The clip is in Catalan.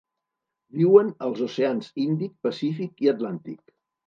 Viuen als oceans Índic, Pacífic i Atlàntic.